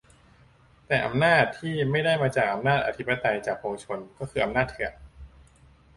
แต่อำนาจที่ไม่ได้มาจากอำนาจอธิปไตย-จากปวงชน ก็คืออำนาจเถื่อน